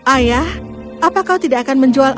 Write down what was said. ayah apa kau tidak akan menjual